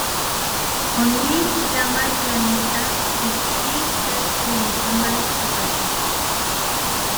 O’Neill llama al planeta y Teal'c le informa de su situación.